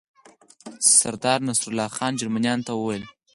سردار نصرالله خان جرمنیانو ته وویل.